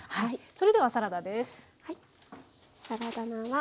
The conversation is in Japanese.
それではサラダです。